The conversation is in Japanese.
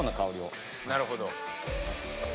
なるほど。